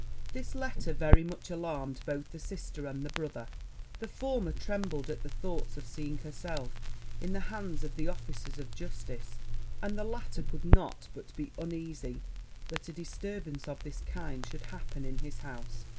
This letter very much alarmed both the sister and the brother: the former trembled at the thoughts of seeing herself in the hands of the officers of justice; and the latter could not but be uneasy that a disturbance of this kind should happen in his house.